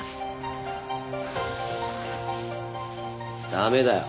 駄目だよ